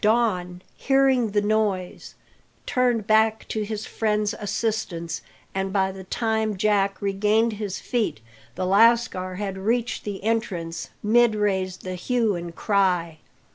Don, hearing the noise, turned back to his friend's assistance, and by the time Jack regained his feet the lascar had reached the entrance mid raised the hue and cry.